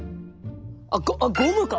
あっゴムか。